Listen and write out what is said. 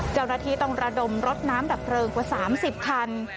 เจ้าหน้าที่ต้องระดมรถน้ำดับเพลิงกว่า๓๐คัน